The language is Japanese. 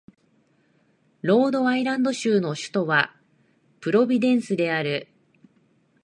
ロードアイランド州の州都はプロビデンスである